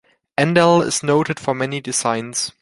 Endell is noted for many designs.